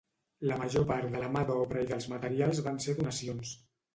La major part de la mà d'obra i dels materials van ser donacions.